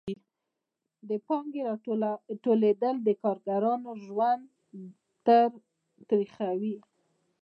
د پانګې راټولېدل د کارګرانو ژوند تریخوي